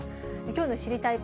きょうの知りたいッ！